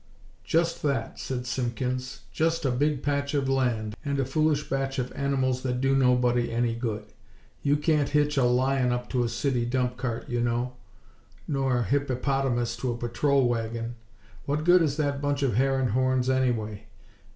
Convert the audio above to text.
"Just that," said Simpkins. "Just a big patch of land, and a foolish batch of animals that do nobody any good. You can't hitch a lion up to a city dump cart, you know; nor a hippopotamus to a patrol wagon. What good is that bunch of hair and horns, anyway?